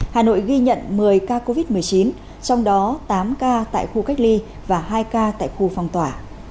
hà nội ghi nhận một mươi ca covid một mươi chín trong đó tám ca tại khu cách ly và hai ca tại khu phong tỏa